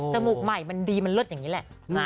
มูกใหม่มันดีมันเลิศอย่างนี้แหละ